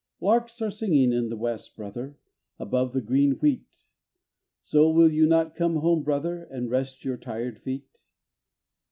Larks are singing in the west, brother, above the green wheat, So will you not come home, brother, and rest your tired feet?